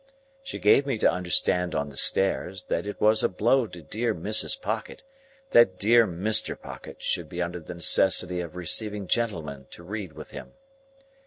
She gave me to understand on the stairs, that it was a blow to dear Mrs. Pocket that dear Mr. Pocket should be under the necessity of receiving gentlemen to read with him.